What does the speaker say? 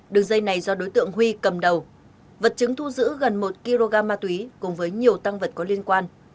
đường dây này do đối tượng huy cầm đầu vật chứng thu giữ gần một kg ma túy cùng với nhiều tăng vật có liên quan